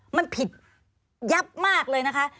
มันผิดยับมากเลยนะคะ